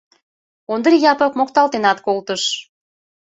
Ондри Япык мокталтенат колтыш.